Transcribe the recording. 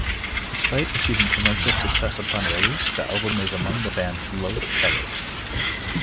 Despite achieving commercial success upon release, the album is among the band's lowest-sellers.